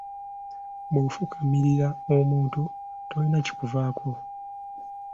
Bw'ofukaamirira omuntu tolina kikuvaako.